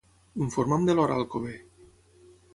Informa'm de l'hora a Alcover.